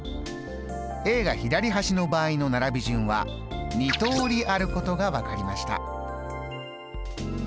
Ａが左端の場合の並び順は２通りあることが分かりました。